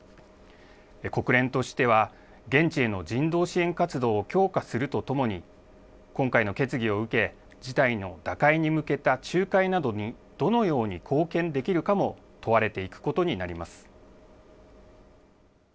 国連としては、現地への人道支援活動を強化するとともに、今回の決議を受け、事態の打開に向けた仲介などにどのように貢献できるかも問われていくことになります。